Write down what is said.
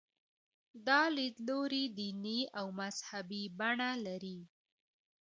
دا لیدلوری دیني او مذهبي بڼه لري.